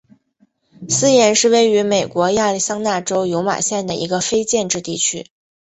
斯廷是位于美国亚利桑那州尤马县的一个非建制地区。